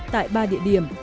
tại ba địa điểm